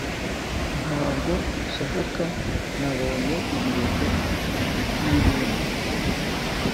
ntabwo nsohoka, nabonye ibirenge by'ibumba.